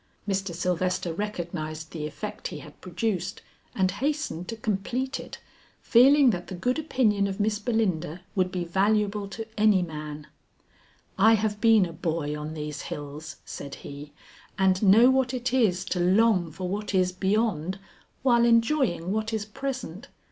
Mr. Sylvester recognized the effect he had produced and hastened to complete it, feeling that the good opinion of Miss Belinda would be valuable to any man. "I have been a boy on these hills," said he, "and know what it is to long for what is beyond while enjoying what is present.